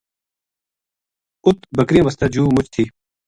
اُت بکریاں واسطے جُوہ مُچ تھی